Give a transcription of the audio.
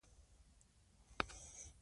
د نوي تعليمي نظام جوړول يو ښه کار دی.